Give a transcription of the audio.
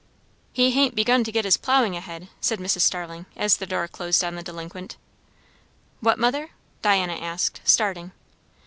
"He hain't begun to get his ploughing ahead," said Mrs. Starling, as the door closed on the delinquent. "What, mother?" Diana asked, starting.